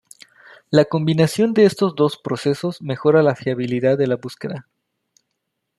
La combinación de estos dos procesos mejora la fiabilidad de la búsqueda.